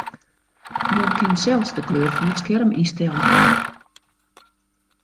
Men kin sels de kleur fan it skerm ynstelle.